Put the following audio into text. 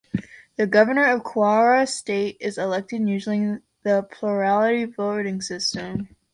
The Governor of Kwara State is elected using the plurality voting system.